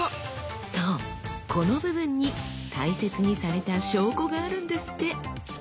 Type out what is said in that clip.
そうこの部分に大切にされた証拠があるんですって。